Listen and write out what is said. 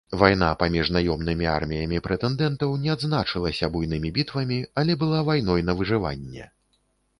Вайна паміж наёмнымі арміямі прэтэндэнтаў не адзначылася буйнымі бітвамі, але была вайной на выжыванне.